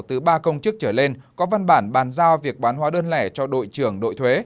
từ ba công chức trở lên có văn bản bàn giao việc bán hóa đơn lẻ cho đội trưởng đội thuế